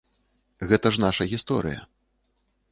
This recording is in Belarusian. Гэта ж нашая гісторыя.